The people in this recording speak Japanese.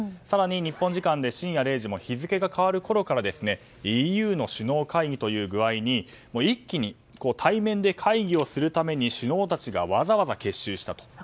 更に日本時間で深夜０時日付が変わるころからＥＵの首脳会議という具合に一気に対面で会議をするために首脳たちがわざわざ結集したと。